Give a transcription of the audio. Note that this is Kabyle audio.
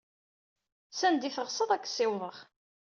Sanda ay teɣsed ad k-ssiwḍeɣ.